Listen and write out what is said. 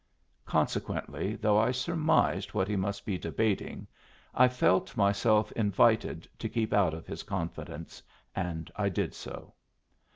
Consequently, though I surmised what he must be debating, I felt myself invited to keep out of his confidence, and I did so.